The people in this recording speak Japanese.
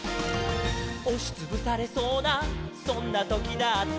「おしつぶされそうなそんなときだって」